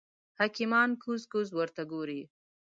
حکیمان کوز کوز ورته ګوري.